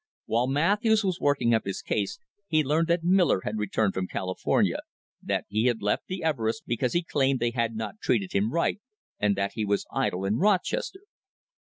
While Matthews was working up his case he learned that Miller had returned from California, that he had left the Everests because he claimed they had "not treated him right," and that he was idle in Rochester.